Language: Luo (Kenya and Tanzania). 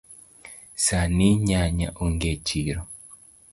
Sani nyanya onge echiro.